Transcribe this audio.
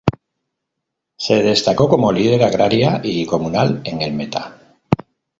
Se destacó como líder agraria y comunal en el Meta.